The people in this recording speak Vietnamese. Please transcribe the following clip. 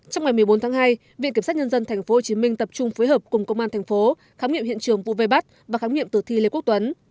trong ngày một mươi bốn tháng hai viện kiểm sát nhân dân tp hcm tập trung phối hợp cùng công an thành phố khám nghiệm hiện trường vụ vây bắt và khám nghiệm tử thi lê quốc tuấn